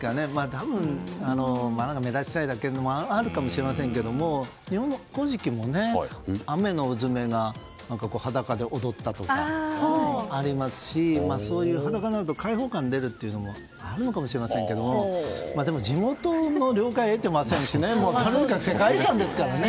多分、目立ちたいだけというのもあるかもしれないですけど日本の「古事記」もアメノウズメが裸で踊ったとかそういう裸になると解放感が出るというのもあるかもしれませんけど地元の了解を得ていませんし世界遺産ですからね。